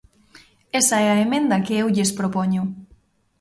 Esa é a emenda que eu lles propoño.